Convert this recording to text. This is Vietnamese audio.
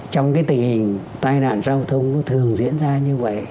trong cái tình hình tai nạn giao thông nó thường diễn ra như vậy